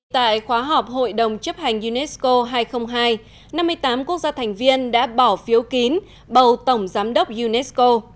tại khóa họp hội đồng chấp hành unesco hai trăm linh hai năm mươi tám quốc gia thành viên đã bỏ phiếu kín bầu tổng giám đốc unesco